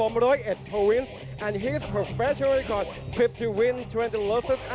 มมมามมมมมมและนะคะก็โปรล